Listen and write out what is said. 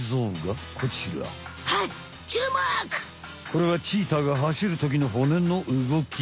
これはチーターが走るときの骨のうごき。